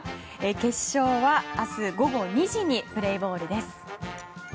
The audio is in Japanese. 決勝は明日午後２時にプレーボールです。